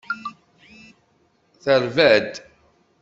Terba-d.